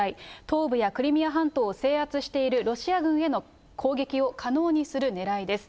東部やクリミア半島を制圧しているロシア軍への攻撃を可能にするねらいです。